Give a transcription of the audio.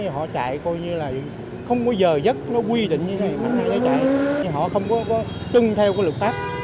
họ chạy coi như là không có giờ giấc nó quy định như thế này họ không có tương theo lực pháp